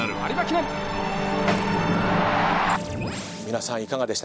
皆さん。